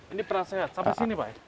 ini penasehat sampai sini pak ya